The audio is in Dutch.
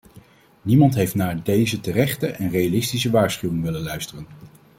Niemand heeft naar deze terechte en realistische waarschuwingen willen luisteren.